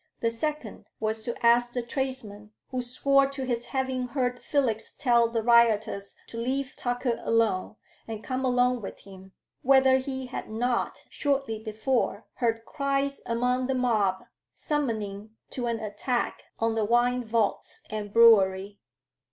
The second was to ask the tradesman who swore to his having heard Felix tell the rioters to leave Tucker alone and come along with him, whether he had not, shortly before, heard cries among the mob summoning to an attack on the wine vaults and brewery.